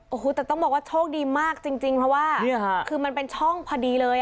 โอ้โหแต่ต้องบอกว่าโชคดีมากจริงเพราะว่าคือมันเป็นช่องพอดีเลย